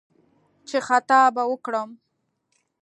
چې «خطا به وکړم»